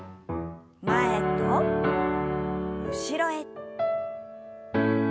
前と後ろへ。